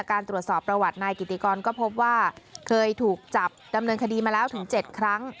การตรวจสอบประวัตินายกิติกรก็พบว่าเคยถูกจับดำเนินคดีมาแล้วถึง๗ครั้ง